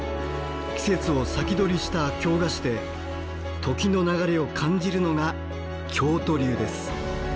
季節を先取りした京菓子で時の流れを感じるのが京都流です。